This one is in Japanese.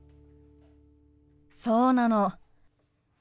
そうなの。